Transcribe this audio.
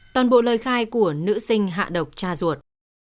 toàn bộ lời khai của nữ sinh hạ độc cha ruột